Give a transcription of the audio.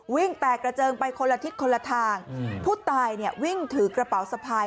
แตกกระเจิงไปคนละทิศคนละทางผู้ตายเนี่ยวิ่งถือกระเป๋าสะพาย